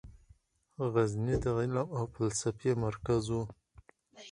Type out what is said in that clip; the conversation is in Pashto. غزني د علم او فلسفې مرکز و.